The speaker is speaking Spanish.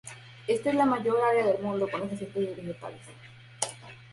Esta es la mayor área del mundo con estas especies vegetales.